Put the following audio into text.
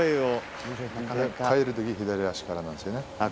帰るときは左足からなんですよね。